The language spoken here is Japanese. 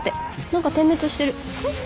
何か点滅してる。